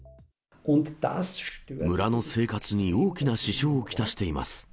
村の生活に大きな支障を来しています。